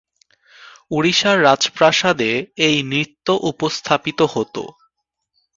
ওড়িশার রাজপ্রাসাদে এই নৃত্য উপস্থাপিত হত।